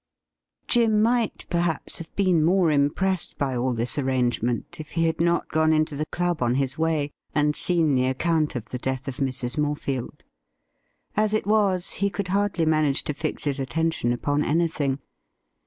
Jim might, perhaps, have been more impressed by all this arrangement if he had not gone into the club on his way, and seen the account of the death of Mrs. Morefield. As it was, he could hardly manage to fix his attention upon anything.